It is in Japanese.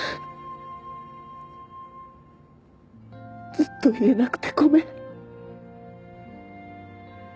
ずっと言えなくてごめん。